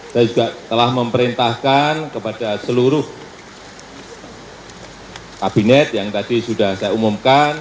saya juga telah memerintahkan kepada seluruh kabinet yang tadi sudah saya umumkan